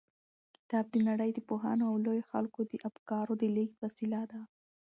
کتاب د نړۍ د پوهانو او لويو خلکو د افکارو د لېږد وسیله ده.